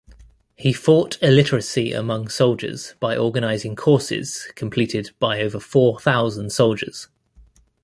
He fought illiteracy among soldiers by organizing courses completed by over four thousand soldiers.